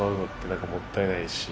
なんか、もったいないし。